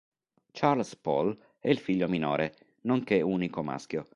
Charles Pol è il figlio minore, nonché unico maschio.